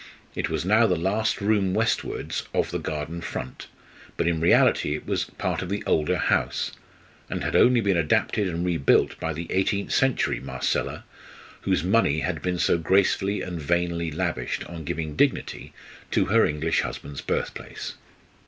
It was now the last room westwards of the garden front, but in reality it was part of the older house, and had been only adapted and re built by that eighteenth century Marcella whose money had been so gracefully and vainly lavished on giving dignity to her English husband's birthplace.